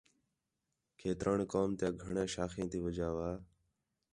کھیتران قوم تیاں گھݨیاں شاخیں تی وجہ وا